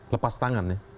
lepas tangan ya